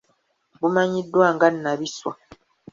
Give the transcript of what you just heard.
Bumanyiddwa nga nnabiswa.